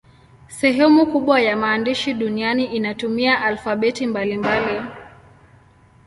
Sehemu kubwa ya maandishi duniani inatumia alfabeti mbalimbali.